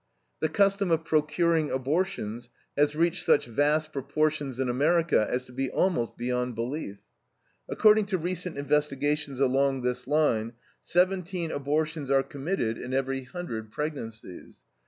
The custom of procuring abortions has reached such vast proportions in America as to be almost beyond belief. According to recent investigations along this line, seventeen abortions are committed in every hundred pregnancies.